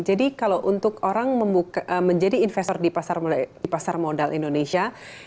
jadi kalau untuk orang menjadi investor di pasar modal indonesia